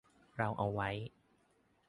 เราเอาไว้